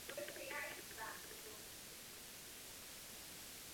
Tato koncepce se zdála být pro vojenské použití výhodnou.